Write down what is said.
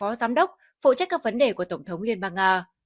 ông là vị phó giám đốc phụ trách các vấn đề của tổng thống liên bang nga